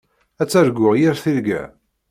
Ad targuḍ yir tirga.